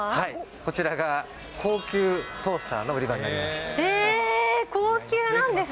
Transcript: こちらが高級トースターの売り場になります。